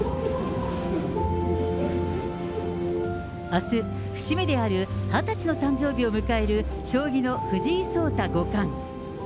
あす、節目である２０歳の誕生日を迎える将棋の藤井聡太五冠。